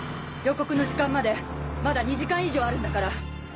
予告の時間までまだ２時間以上あるんだから！